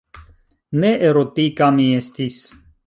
Ne erotika mi estis.